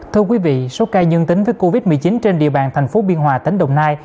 thưa quý vị số ca dương tính với covid một mươi chín trên địa bàn thành phố biên hòa tỉnh đồng nai